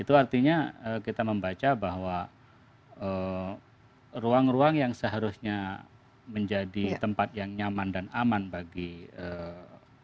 itu artinya kita membaca bahwa ruang ruang yang seharusnya menjadi tempat yang nyaman dan aman bagi masyarakat